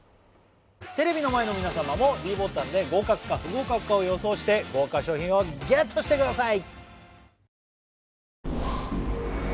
テレビの前の皆様もｄボタンで合格か不合格かを予想して豪華賞品をＧＥＴしてください！